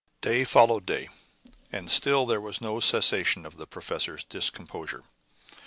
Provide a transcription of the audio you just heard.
Day followed day, and still there was no cessation of the professor's discomposure.